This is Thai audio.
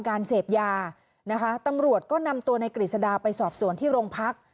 การเสพยานะคะตำรวจก็นำตัวในกฤษดาไปสอบสวนที่โรงพัก